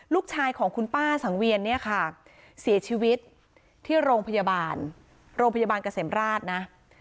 ลูกชายของคุณป้าสังเวียนเนี่ยค่ะเสียชีวิตที่โรงพยาบาลโรงพยาบาลเกษมราชนะ